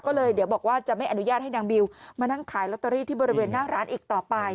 ก็เลยเดี๋ยวบอกว่าจะไม่อนุญาตให้นางบิวมานั่งขายลอตเตอรี่ที่บริเวณหน้าร้านอีกต่อไป